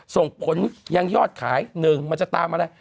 ส่งผลยังยอดขาย๑มันจะตามอะไร